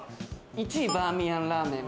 １位バーミヤンラーメン。